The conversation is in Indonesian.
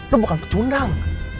lo bukan kecundang